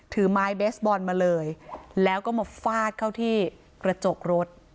ถือไม้เบสบอลมาเลยแล้วก็มาฟาดเข้าที่กระจกรถ